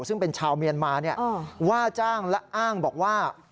ซึ่งเป็นชาวเมียนมาว่าจ้างและอ้างบอกว่า